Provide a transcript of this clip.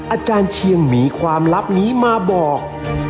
อาจารย์เชียงมีความลับนี้มาบอก